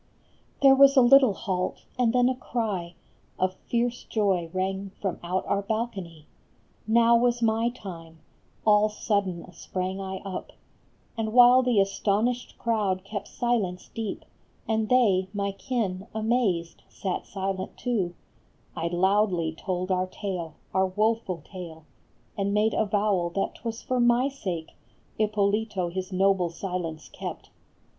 There was a little halt, and then a cry Of fierce joy rang from out our balcony. Now was my time ; all sudden sprang I up, And while the astonished crowd kept silence deep, And they, my kin, amazed, sat silent too, 1 loudly told our tale, our woful tale, And made avowal that t was for my sake Ippolito his noble silence kept ! A FLORENTINE JULIET.